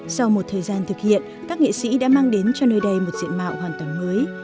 sau một thời gian thực hiện các nghệ sĩ đã mang đến cho nơi đây một diện mạo hoàn toàn mới